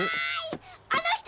あの人！